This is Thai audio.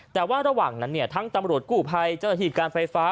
แต่ว่าระหว่างนั้นเนี่ยทั้งตำรวจกู้ภัยเจ้าหน้าที่การไฟฟ้า